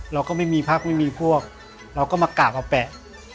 เราก็ไม่มีพักไม่มีพวกเราก็มากราบมาแปะ